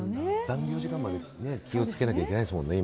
残業時間まで気をつけなきゃいけないですもんね。